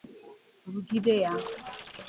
rụgide ya